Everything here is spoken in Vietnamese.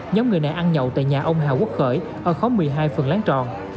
nhóm người này ăn nhậu tại nhà ông hà quốc khởi ở khóm một mươi hai phường láng tròn